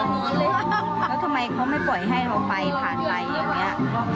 แล้วทำไมเขาไม่ปล่อยให้เราไปผ่านไปอย่างนี้